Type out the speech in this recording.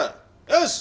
よし。